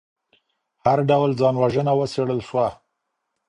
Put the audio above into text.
هر ډول ځان وژنه وڅیړل سوه.